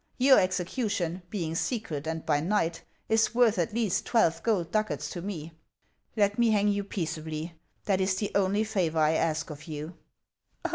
Y"our execution, being secret and by night, is worth at least twelve gold ducats to me. Let me hang you peaceably, that is the only favor I ask of you."